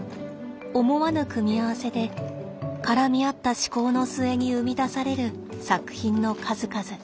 思わぬ組み合わせで絡み合った思考の末に生み出される作品の数々。